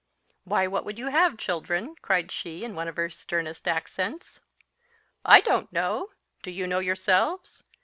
"Why, what would you have, children?" cried she in one of her sternest accents. "I don't know! Do you know yourselves?